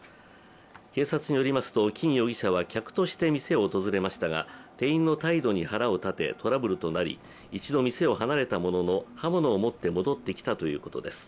警察によりますと、金容疑者は客として店を訪れましたが店員の態度に腹を立てトラブルとなり、一度店を離れたものの刃物を持って、戻ってきたということです。